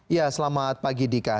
ya selamat pagi dika